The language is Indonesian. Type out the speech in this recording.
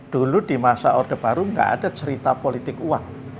dulu di masa orde baru nggak ada cerita politik uang